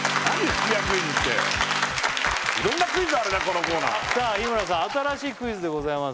吹き矢クイズっていろんなクイズあるなこのコーナーさあ日村さん新しいクイズでございます